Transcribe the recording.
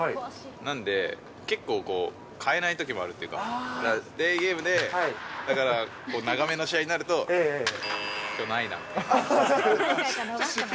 なんで、結構買えないときもあるっていうか、デーゲームで、だから長めの試合になると、きょうないなって。